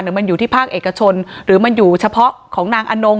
มันอยู่ที่ภาคเอกชนหรือมันอยู่เฉพาะของนางอนง